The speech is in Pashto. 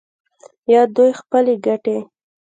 یا دوی خپلې ګټې